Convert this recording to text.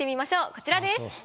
こちらです。